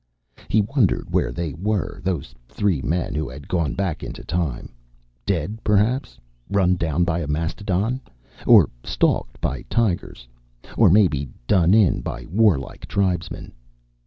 He wondered where they were, those three who had gone back into time. Dead, perhaps. Run down by a mastodon. Or stalked by tigers. Or maybe done in by warlike tribesmen.